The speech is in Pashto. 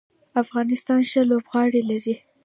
افغانستان ښه لوبغاړي لري.